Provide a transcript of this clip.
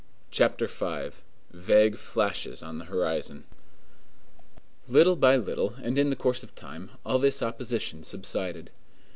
CHAPTER V—VAGUE FLASHES ON THE HORIZON Little by little, and in the course of time, all this opposition subsided.